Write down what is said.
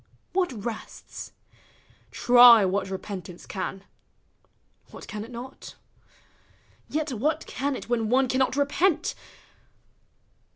what rests? Try what repentance can: what can it not? Vet what can it when one cannot repent?